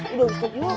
udah usah yuk